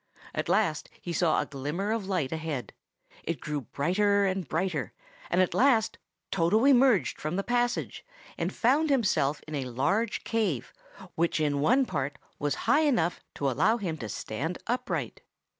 At last he saw a glimmer of light ahead. It grew brighter and brighter; and at last Toto emerged from the passage, and found himself in a large cave, which in one part was high enough to allow him to stand upright.